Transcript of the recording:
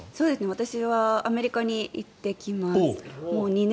私はアメリカに行ってきます。